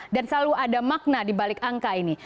dan selalu ada makna di balik angka ini